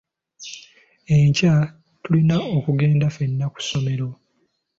Enkya tulina okugenda ffenna ku ssomero.